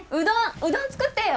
うどん作ってよ。